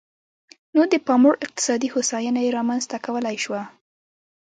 نو د پاموړ اقتصادي هوساینه یې رامنځته کولای شوه.